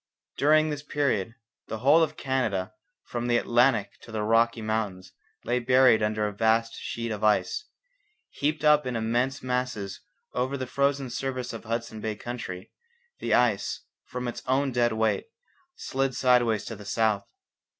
During this period the whole of Canada from the Atlantic to the Rocky Mountains lay buried under a vast sheet of ice. Heaped up in immense masses over the frozen surface of the Hudson Bay country, the ice, from its own dead weight, slid sidewise to the south.